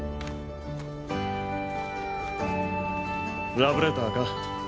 ラブレターか？